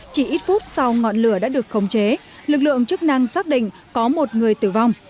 chỉ ít phút sau ngọn lửa đã được khống chế lực lượng chức năng xác định có một người tử vong